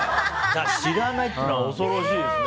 知らないっていうのは恐ろしいですね。